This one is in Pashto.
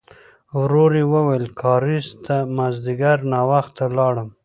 ورو يې وویل: کارېز ته مازديګر ناوخته لاړم.